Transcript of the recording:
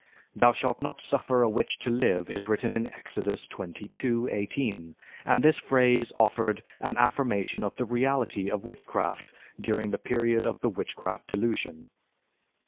"Thou shalt not suffer a witch to live," is written in Exodus XXII, 18, and this phrase offered an affirmation of the reality of witchcraft during the period of the Witchcraft Delusion.